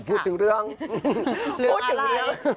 พูดถึงเรื่องอะไร